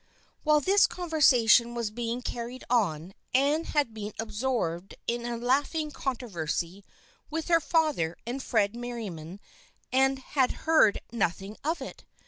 While this conversation was being carried on Anne had been absorbed in a laughing controversy with her father and Fred Merriam and had heard nothing of it.